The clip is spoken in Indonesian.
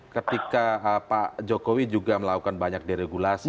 ketika pak jokowi juga melakukan banyak deregulasi